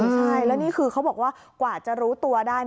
ใช่แล้วนี่คือเขาบอกว่ากว่าจะรู้ตัวได้